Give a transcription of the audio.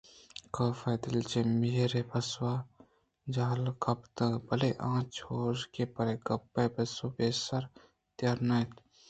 کاف ءِ دل چہ میر ءِ پسو ءَ جہلگ ءَ کپت بلئے آ چوشں کہ پرے گپ ءِ پسو ءَ پیسرءَ تیارنہ اَت